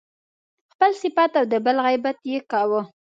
خپل صفت او د بل غیبت يې کاوه.